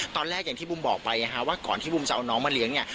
ตอนแรกอย่างที่บูมบอกไปอ่ะฮะว่าก่อนที่บูมจะเอาน้องมาเลี้ยงเนี้ย